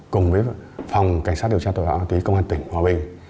cùng với phòng cảnh sát điều tra tội phạm ma túy công an tỉnh hòa bình